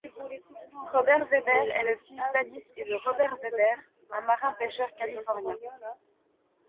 Robert Webber est le fils d'Alice et de Robert Webber, un marin pêcheur californien.